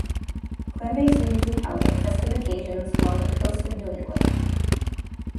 Clam bakes are usually held on festive occasions along the coast of New England.